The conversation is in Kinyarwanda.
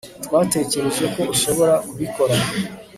Twatekereje ko ushobora kubikora